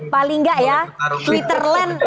paling gak ya twitterland